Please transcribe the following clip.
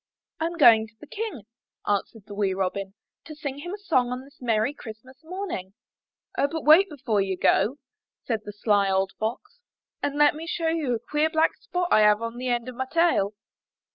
'' 'Tm going to the King/' answered the wee Robin, '*to sing him a song on this merry Christmas morning." *'0h, but wait before you go," said the sly old Fox, ''and let me show you a queer black spot I have on the end of my tail."